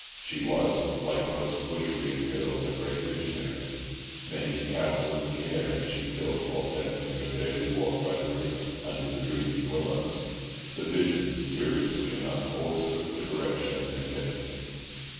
She was, like most bush reared girls, a great visionary—many a castle in the air had she built while taking her daily walk by the river under the drooping willows. The visions, curiously enough, always took the direction of magnificence.